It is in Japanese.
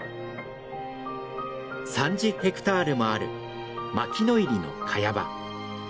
３０ヘクタールもある牧の入のカヤ場。